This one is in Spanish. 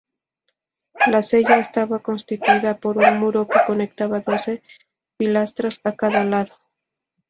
La cella estaba constituida por un muro que conectaba doce pilastras a cada lado.